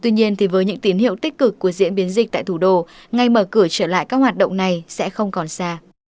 tuy nhiên thì với những tín hiệu tích cực của diễn biến dịch tại thủ đô ngay mở cửa trở lại các hoạt động này sẽ không còn xa